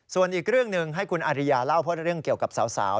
ส่วนอีกเรื่องหนึ่งให้คุณอาริยาเล่าเพราะเรื่องเกี่ยวกับสาว